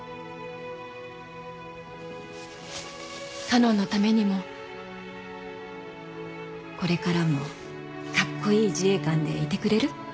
花音のためにもこれからもカッコイイ自衛官でいてくれる？